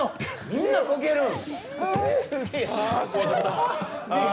みんなこけるの？